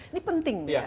ini penting ya